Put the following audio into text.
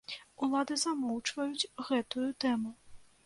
Улады замоўчваюць гэтую тэму.